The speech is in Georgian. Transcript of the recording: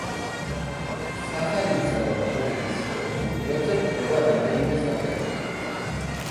სახალინსა და კურილის კუნძულებზე გვხვდება რამდენიმე სახეობა.